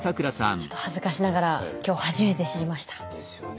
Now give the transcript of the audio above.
ちょっと恥ずかしながら今日初めて知りました。ですよね。